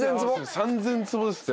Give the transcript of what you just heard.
３，０００坪ですって。